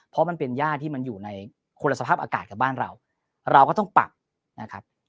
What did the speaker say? เพราะมันเป็นย่าที่มันอยู่ในคนละสภาพอากาศกับบ้านเราเราก็ต้องปรับนะครับ